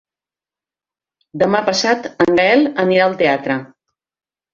Demà passat en Gaël anirà al teatre.